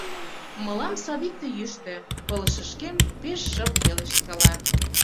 — Мылам садикте йӱштӧ, — пылышышкем пеш шып пелешткала.